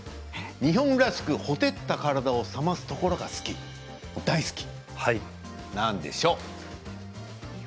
日本らしくほてった体を冷ますところが好き、大好き。